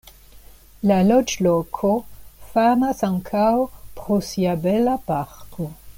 La loĝloko famas ankaŭ pro sia bela parko.